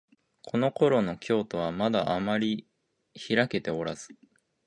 このころの京都は、まだあまりひらけておらず、